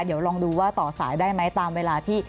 เดี๋ยวลองดูว่าต่อสายได้ไหมตามเวลาที่